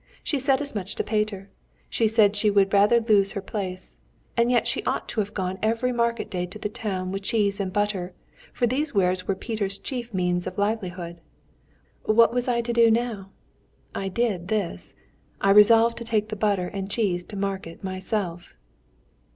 She said as much to Peter. She said she would rather lose her place. And yet she ought to have gone every market day to the town with cheese and butter, for these wares were Peter's chief means of livelihood. What was I to do now? I did this. I resolved to take the butter and cheese to market myself."